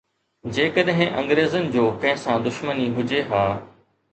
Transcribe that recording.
جيڪڏهن انگريزن جو ڪنهن سان دشمني هجي ها.